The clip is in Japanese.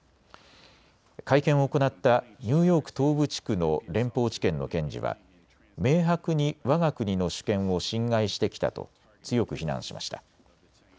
会見を行ったニューヨーク東部地区の連邦地検の検事は明白にわが国の主権を侵害してきたと強く非難しました。